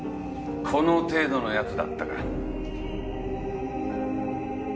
この程度の奴だったか。